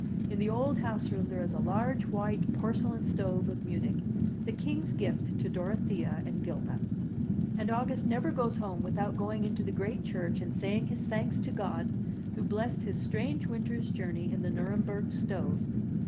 In the old house room there is a large white por celain stove of Munich, the king's gift to Dorothea and 'Gilda. And August never goes home without going into the great church and saying his thanks to God, who blessed his strange winter's journey in the Nuremberg stove.